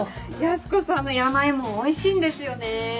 靖子さんの山芋おいしいんですよね。